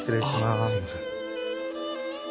あっすいません。